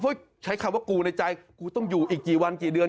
เพราะใช้คำว่ากูในใจกูต้องอยู่อีกกี่วันกี่เดือน